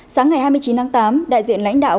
sáng ngày hai mươi chín tháng tám đại diện lãnh đạo